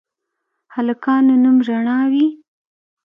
هلکانو نوم رڼا وي